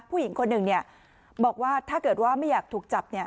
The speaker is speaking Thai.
ผู้หญิงคนหนึ่งบอกว่าถ้าเกิดว่าไม่อยากถูกจับ